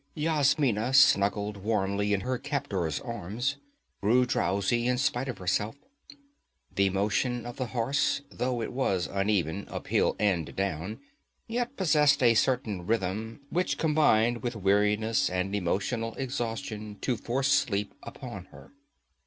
Yasmina, snuggled warmly in her captor's arms, grew drowsy in spite of herself. The motion of the horse, though it was uneven, uphill and down, yet possessed a certain rhythm which combined with weariness and emotional exhaustion to force sleep upon her.